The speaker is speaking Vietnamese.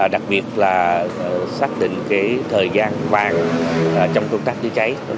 đặc biệt là xác định thời gian bàn trong công tác cháy cháy